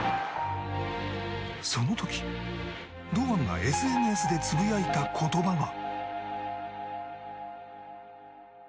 その時、堂安がＳＮＳでつぶやいた言葉が。